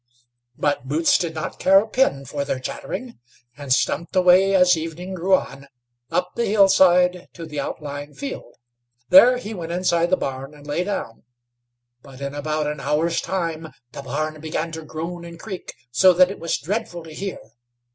But Boots did not care a pin for their chattering, and stumped away as evening grew on, up the hill side to the outlying field. There he went inside the barn and lay down; but in about an hour's time the barn began to groan and creak, so that it was dreadful to hear.